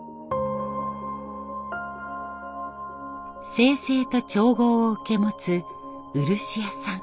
精製と調合を受け持つ漆屋さん。